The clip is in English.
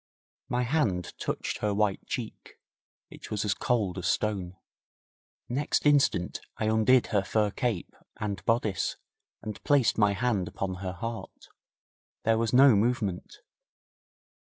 My hand touched her white cheek. It was as cold as stone. Next instant I undid her fur cape and bodice, and placed my hand upon her heart. There was no movement.